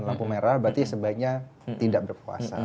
lampu merah berarti sebaiknya tidak berpuasa